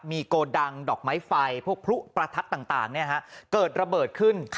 มีโกดังดอกไม้ไฟพวกพลุประทัดต่างเกิดระเบิดขึ้น